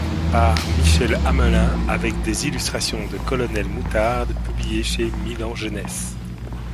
Par Michel Amelin avec des illustrations de Colonel Moutarde publié chez Milan Jeunesse.